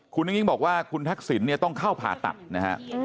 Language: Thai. คุณนักงิ้งบอกว่าคุณทักษิณต้องเข้าผ่าตัดนะครับ